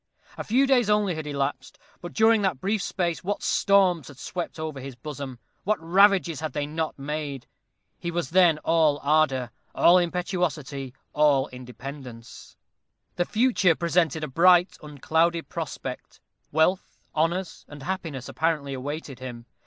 A few days only had elapsed, but during that brief space what storms had swept over his bosom what ravages had they not made! He was then all ardor all impetuosity all independence. The future presented a bright unclouded prospect. Wealth, honors, and happiness apparently awaited him.